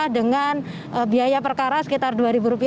dengan biaya perkara sekitar rp dua